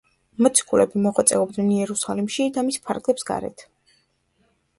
მოციქულები მოღვაწეობდნენ იერუსალიმში და მის ფარგლებს გარეთ.